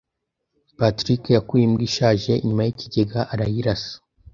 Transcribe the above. Patrick yakuye imbwa ishaje inyuma yikigega arayirasa.